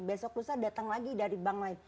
besok lusa datang lagi dari bank lain